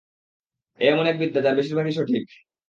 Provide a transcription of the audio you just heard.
এ এমন এক বিদ্যা যার বেশির ভাগই সঠিক।